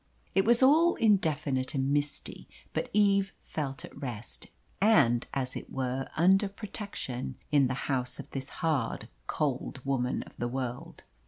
It was all indefinite and misty, but Eve felt at rest, and, as it were, under protection, in the house of this hard, cold woman of the world.